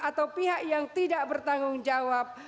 atau pihak yang tidak bertanggung jawab